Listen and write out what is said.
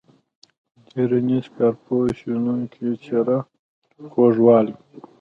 څیړنیز، کارپوه ، شنونکی ، څیره، خوږوالی.